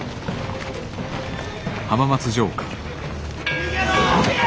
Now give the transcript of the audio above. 逃げろ！